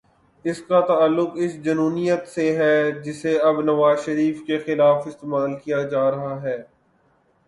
اس کا تعلق اس جنونیت سے ہے، جسے اب نواز شریف کے خلاف استعمال کیا جا رہا ہے۔